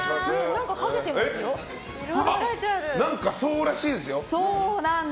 何か今日からそうらしいですよ。